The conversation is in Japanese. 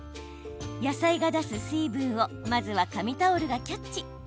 野菜が出す水分をまずは紙タオルがキャッチ。